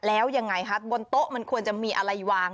แล้วยังไงคะบนโต๊ะมันควรจะมีอะไรวาง